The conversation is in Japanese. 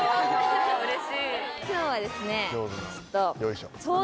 今日はですね。